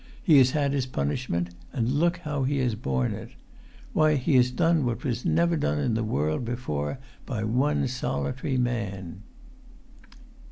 He has had his punishment, and look how he has borne it! Why, he has done what was never done in the world before by one solitary man."